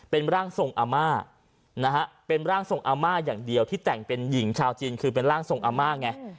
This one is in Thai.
เป็นร่างทรงอาม่านะฮะเป็นร่างทรงอาม่าอย่างเดียวที่แต่งเป็นหญิงชาวจีนคือเป็นร่างทรงอาม่าไง